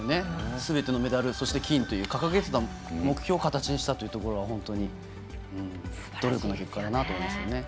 すべてのメダル、そして金と掲げてた目標を形にしたというところが本当に、努力の結果だなと思いますね。